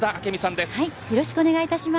よろしくお願いします。